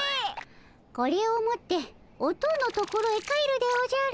これを持っておとおのところへ帰るでおじゃる。